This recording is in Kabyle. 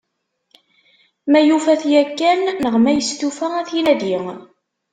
Ma yufa-t yakan neɣ ma yestufa ad t-inadi.